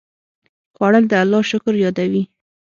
خوړل د الله شکر یادوي